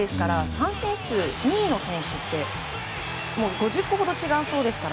三振数２位の選手と５０個ほど違うそうです。